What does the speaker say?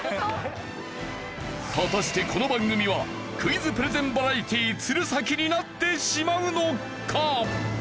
果たしてこの番組は『クイズプレゼンバラエティー鶴さき！！』になってしまうのか？